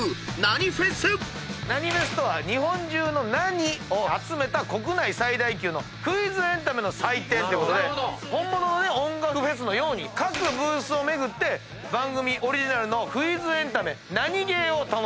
何フェスとは日本中の「何？」を集めた国内最大級のクイズエンタメの祭典ということで本物の音楽フェスのように各ブースを巡って番組オリジナルのクイズエンタメナニゲーを楽しんでいってください。